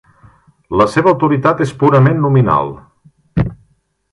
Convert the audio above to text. La seva autoritat és purament nominal.